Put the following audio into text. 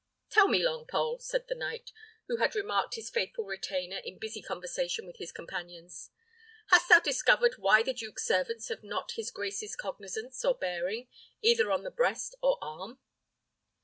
"Tell me, Longpole," said the knight, who had remarked his faithful retainer in busy conversation with his companions, "hast thou discovered why the duke's servants have not his grace's cognizance or bearing, either on the breast or arm?"